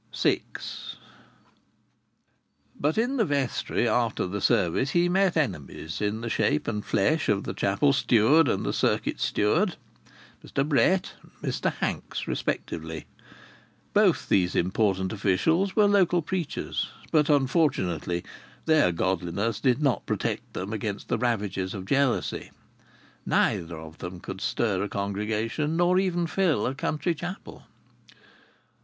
VI But in the vestry after the service he met enemies, in the shape and flesh of the chapel steward and the circuit steward, Mr Brett and Mr Hanks respectively. Both these important officials were local preachers, but, unfortunately, their godliness did not protect them against the ravages of jealousy. Neither of them could stir a congregation, nor even fill a country chapel.